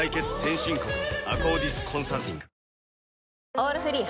「オールフリー」